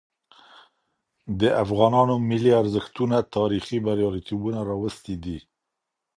د افغانانو ملي ارزښتونه تاريخي برياليتوبونه راوستي دي.